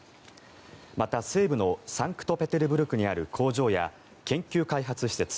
また西部のサンクトペテルブルクにある工場や研究開発施設